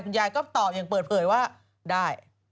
ยายก็ตอบอย่างเปิดเผยว่าได้